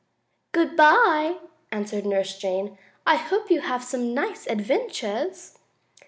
"Good bye!" answered Nurse Jane. "I hope you have some nice adventures!"